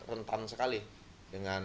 rentan sekali dengan